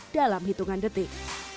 dalam hitungan detik